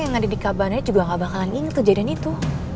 yang ada di kabana juga gak bakalan inget kejadian itu